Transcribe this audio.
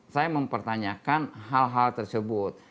saya mempertanyakan hal hal tersebut